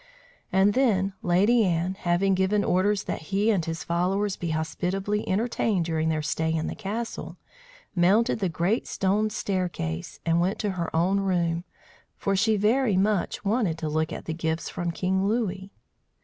And then Lady Anne, having given orders that he and his followers be hospitably entertained during their stay in the castle, mounted the great stone staircase, and went to her own room, for she very much wanted to look at the gifts from King Louis.